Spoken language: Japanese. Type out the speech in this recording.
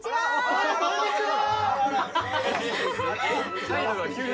ああこんにちは！